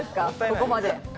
ここまで。